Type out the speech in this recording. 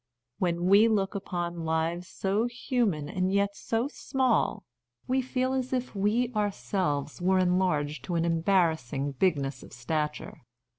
When we look upon lives so human and yet so small, we feel as if we ourselves were enlarged to an embar rassing bigness of stature.